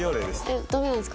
えっダメなんですか？